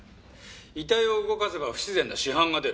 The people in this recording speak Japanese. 遺体を動かせば不自然な死斑が出る。